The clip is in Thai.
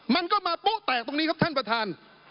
มันก็มาโป๊ะแตกตรงนี้ครับท่านประธาน